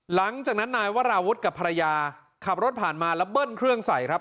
หลังจากนั้นนายวราวุฒิกับภรรยาขับรถผ่านมาแล้วเบิ้ลเครื่องใส่ครับ